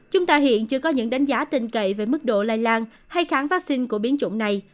nhưng chưa có những đánh giá tinh cậy về mức độ lây lan hay kháng vaccine của biến chủng này